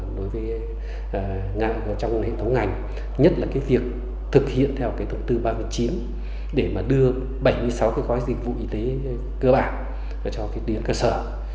đối với ngành và trong hệ thống ngành nhất là việc thực hiện theo tổng tư ba mươi chín để đưa bảy mươi sáu khói dịch vụ y tế cơ bản cho tuyến cơ sở